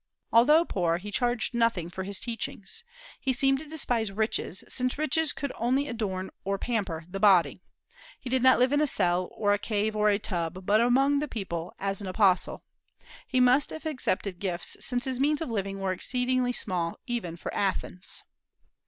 Although poor, he charged nothing for his teachings. He seemed to despise riches, since riches could only adorn or pamper the body. He did not live in a cell or a cave or a tub, but among the people, as an apostle. He must have accepted gifts, since his means of living were exceedingly small, even for Athens.